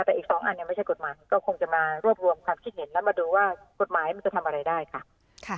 ซึ่งก็คงอันเนี่ยไม่ใช่กฎหมายนะคะก็คงมาร่วมความคิดเห็นแล้วมาดูว่ากฎหมายจะทำอะไรได้ค่ะ